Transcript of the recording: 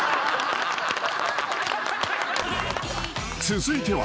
［続いては］